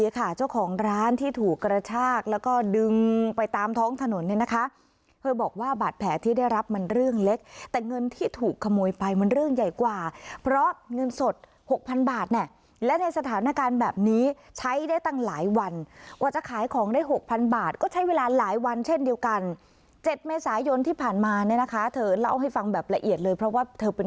ค่ะเจ้าของร้านที่ถูกกระชากแล้วก็ดึงไปตามท้องถนนเนี่ยนะคะเธอบอกว่าบาดแผลที่ได้รับมันเรื่องเล็กแต่เงินที่ถูกขโมยไปมันเรื่องใหญ่กว่าเพราะเงินสดหกพันบาทเนี่ยและในสถานการณ์แบบนี้ใช้ได้ตั้งหลายวันกว่าจะขายของได้หกพันบาทก็ใช้เวลาหลายวันเช่นเดียวกัน๗เมษายนที่ผ่านมาเนี่ยนะคะเธอเล่าให้ฟังแบบละเอียดเลยเพราะว่าเธอเป็น